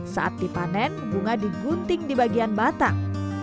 saat dipanen bunga digunting di bagian batang